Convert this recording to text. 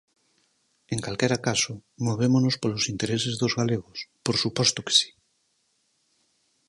En calquera caso, movémonos polos intereses dos galegos, por suposto que si.